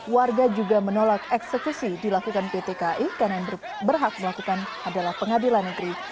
warga juga menolak eksekusi dilakukan pt kai karena yang berhak melakukan adalah pengadilan negeri